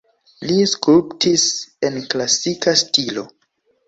Li skulptis en klasika stilo.